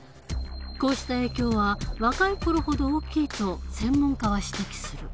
こうした影響は若い頃ほど大きいと専門家は指摘する。